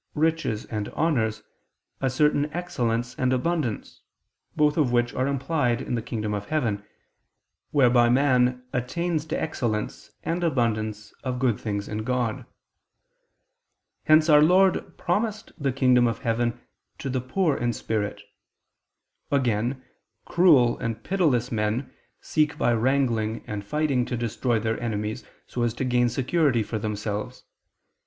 riches and honors, a certain excellence and abundance, both of which are implied in the kingdom of heaven, whereby man attains to excellence and abundance of good things in God. Hence Our Lord promised the kingdom of heaven to the poor in spirit. Again, cruel and pitiless men seek by wrangling and fighting to destroy their enemies so as to gain security for themselves.